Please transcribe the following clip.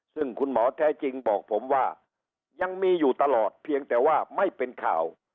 ซึ่งคุณหมอแท้จริงบอกผมว่ายังมีอยู่ตลอดเพียงแต่ว่าไม่เป็นข่าว